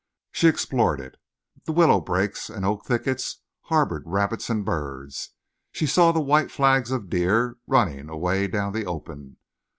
She explored it. The willow brakes and oak thickets harbored rabbits and birds. She saw the white flags of deer running away down the open.